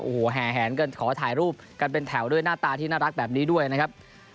โอ้โหแห่แหนกันขอถ่ายรูปกันเป็นแถวด้วยหน้าตาที่น่ารักแบบนี้ด้วยนะครับ